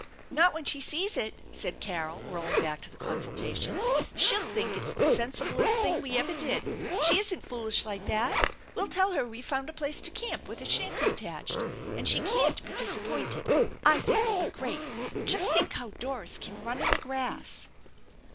" Not when she sees it," said Carol, whirling back to the consultation. " She'll think it's the sensiblest thing we ever did. She isn't foolish like that. We'll tell her we've found a place to camp with a shanty attached, and she can't be dis appointed. I think it'll be great. Just think how Doris can run in the grass